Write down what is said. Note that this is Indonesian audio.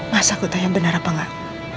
masa kutah yang benar apa gak